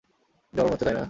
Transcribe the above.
জ্বলন হচ্ছে তাই না?